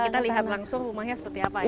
oke kita lihat langsung rumahnya seperti apa ya